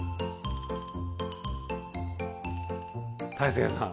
大聖さん